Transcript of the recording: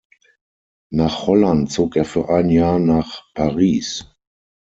Nach Holland zog er für ein Jahr nach Paris.